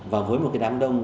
và với một cái đám đông